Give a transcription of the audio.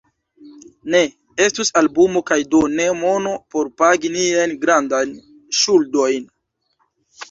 Ne estus albumo kaj do ne mono por pagi niajn grandajn ŝuldojn.